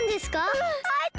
うんあえた！